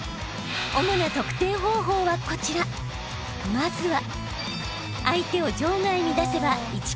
［まずは］